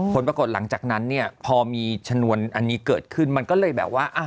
ผลปรากฏหลังจากนั้นเนี่ยพอมีชนวนอันนี้เกิดขึ้นมันก็เลยแบบว่า